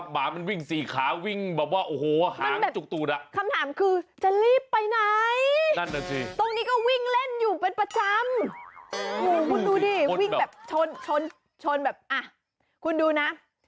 โหนี่ตัวที่หนึ่งเดินเดิน